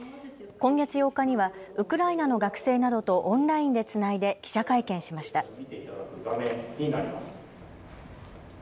今月８日にはウクライナの学生などとオンラインでつないで記者会見しました。